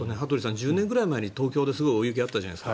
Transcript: １０年ぐらい前に東京ですごい大雪があったじゃないですか。